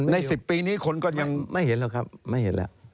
๑๐ปีนี้คนก็ยังไม่เห็นหรอกครับไม่เห็นแล้ว